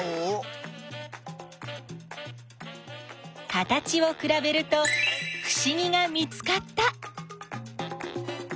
形をくらべるとふしぎが見つかった！